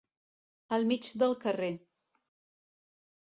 Al mig del carrer.